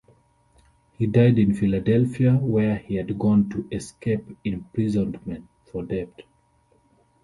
He died in Philadelphia, where he had gone to escape imprisonment for debt.